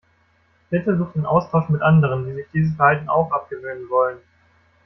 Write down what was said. Bitte such den Austausch mit anderen, die sich dieses Verhalten auch abgewöhnen wollen.